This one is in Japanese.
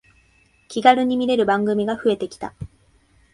気軽に見れる番組が増えてきた